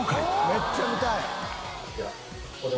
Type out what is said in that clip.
めっちゃ見たい！